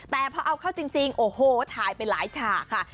แต่พอเอาเข้าจริงโอ้โหถ่ายไปหลายฉากค่ะ